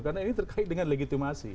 karena ini terkait dengan legitimasi